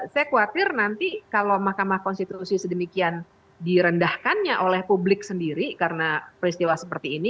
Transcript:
saya khawatir nanti kalau mahkamah konstitusi sedemikian direndahkannya oleh publik sendiri karena peristiwa seperti ini